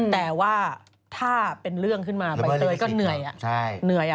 แต่ว่าถ้าเป็นเรื่องขึ้นมาใบเตยก็เหนื่อยเหนื่อย